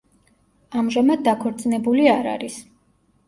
ამჟამად დაქორწინებული არ არის.